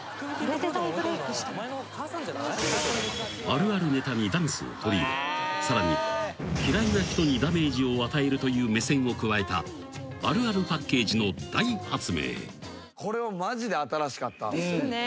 ［あるあるネタにダンスを取り入れさらに「嫌いな人にダメージを与える」という目線を加えたあるあるパッケージの大発明］